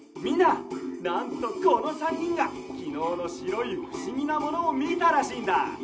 みんななんとこの３にんがきのうのしろいふしぎなものをみたらしいんだ！